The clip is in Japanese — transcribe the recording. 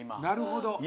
なるほど。